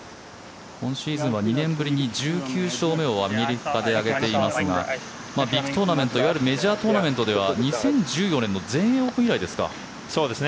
今シーズンは２年ぶりに１９勝目をアメリカで挙げていますがビッグトーナメントいわゆるメジャートーナメントでは２０１４年の全英オープン以来ですか。